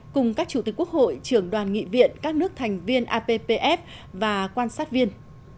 cùng các chủ tịch quốc hội trưởng đoàn nghị viện các nước thành viên appf và quan sát viên